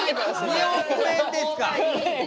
２億円ですか？